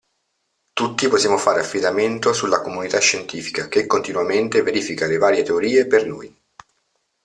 Tutti possiamo fare affidamento sulla comunità scientifica che continuamente verifica le varie teorie per noi.